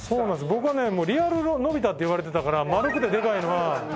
僕はね「リアルのび太」って言われてたから丸くてでかいのは。